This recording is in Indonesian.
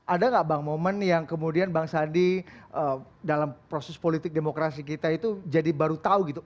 ada nggak bang momen yang kemudian bang sandi dalam proses politik demokrasi kita itu jadi baru tahu gitu